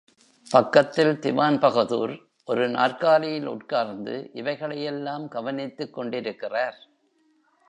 பக்கத்தில் திவான்பகதூர் ஒரு நாற்காலியில் உட்கார்ந்து இவைகளை யெல்லாம் கவனித்துக் கொண்டிருக்கிறார்.